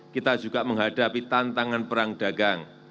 kita juga menghadapi tantangan perang dagang